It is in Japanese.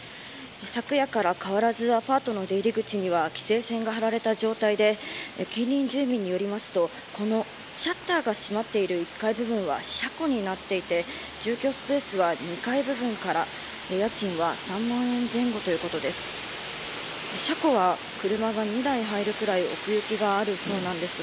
昨夜から変わらずアパートの出入り口には規制線が張られた状態で近隣住民によりますとこのシャッターが閉まっている部分は車庫になっていて住居スペースは２階部分から家賃は３万円前後ということです。